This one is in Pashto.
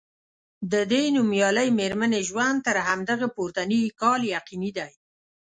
د دې نومیالۍ میرمنې ژوند تر همدغه پورتني کال یقیني دی.